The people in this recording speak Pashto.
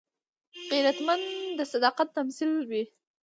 غیرتمند د صداقت تمثیل وي